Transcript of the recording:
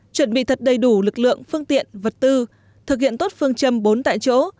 chuẩn bị thật đầy đủ lực lượng phương tiện vật tư thực hiện tốt phương châm bốn tại chỗ